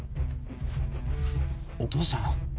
お義父さん